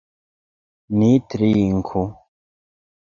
Ni trinku!